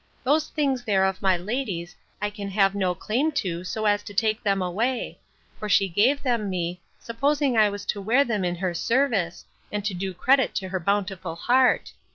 Those things there of my lady's, I can have no claim to, so as to take them away; for she gave them me, supposing I was to wear them in her service, and to do credit to her bountiful heart.